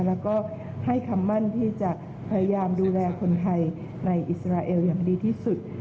แล้วก็ให้คำมั่นที่จะพยายามดูแลคนไทยในอิสราเอลอย่างดีที่สุด